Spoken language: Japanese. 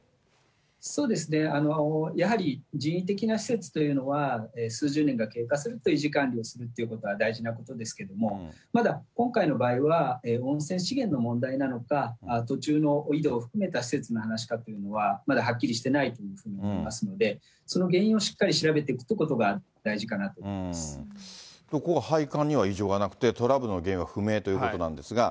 そうですね、やはり人為的な施設というのは、数十年が経過する、維持管理というのは大事なことですけれども、まだ今回の場合は温泉資源の問題なのか、途中の井戸を含めた施設の話かというのはまだはっきりしてないというふうに思いますので、その原因をしっかり調べていくというこ配管には異常はなくて、トラブルの原因は不明ということなんですが。